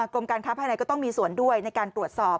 กรมการค้าภายในก็ต้องมีส่วนด้วยในการตรวจสอบ